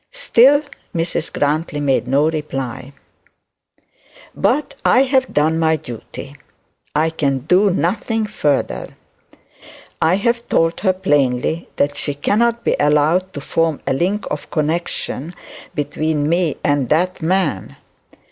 Still Mrs Grantly made no reply. 'But I have done my duty; I can do nothing further. I have told her plainly that she cannot be allowed to form a link of connection between me and that man.